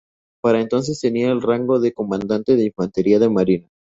Para entonces tenía el rango de comandante de Infantería de Marina.